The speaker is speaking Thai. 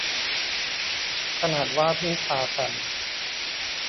ขนาดว่าพึ่งพากัน